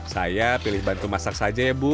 saya pilih bantu masak saja ya bu